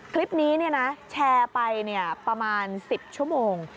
คลิปนี้แชร์ไปประมาณ๑๐ชั่วโมง